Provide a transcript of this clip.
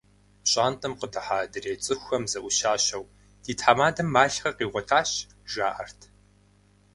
ПщӀантӀэм къыдыхьа адрей цӀыхухэм зэӀущащэу: «Ди тхьэмадэм малъхъэ къигъуэтащ», – жаӀэрт.